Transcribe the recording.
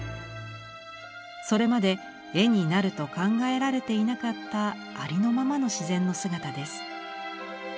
それまで「絵になる」と考えられていなかったありのままの自然の姿です。